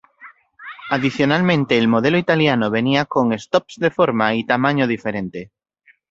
Adicionalmente el modelo italiano venía con stops de forma y tamaño diferente.